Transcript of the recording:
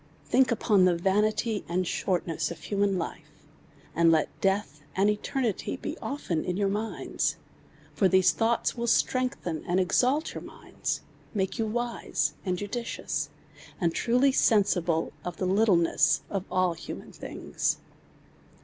Think upon the vanity and shortness of human life, and let deatli and eternity be often in your minds: for these thonghts will strengthen and exalt your minds, make you wise and judicious, and truly sensible of the littleness of human things.